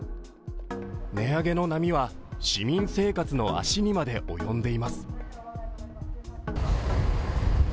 値上げの波は、市民生活の足にまで及んでいます。